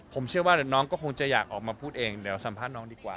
ผมเชื่อว่าน้องก็คงจะอยากออกมาพูดเองเดี๋ยวสัมภาษณ์น้องดีกว่า